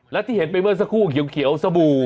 และที่เห็นไปเมื่อสักครู่เขียวสบู่